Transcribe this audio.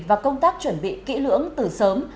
và công tác chuẩn bị kỹ lưỡng từ sớm